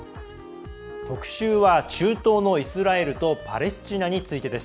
特集は中東のイスラエルとパレスチナについてです。